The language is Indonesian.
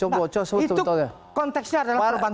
nah itu konteksnya adalah perbantuan